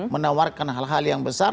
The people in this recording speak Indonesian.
menawarkan hal hal yang besar